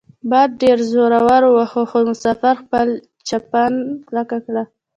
باد ډیر زور وواهه خو مسافر خپله چپن کلکه کړه.